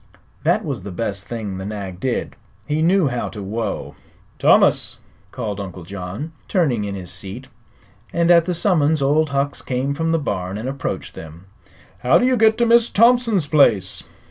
That was the best thing the nag did. He knew how to whoa. "Thomas!" called Uncle John, turning in his seat; and at the summons Old Hucks came from the barn and approached them. "How do you get to Miss Thompson's place?"